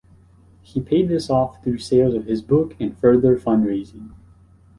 He paid this off through sales of his book and further fundraising.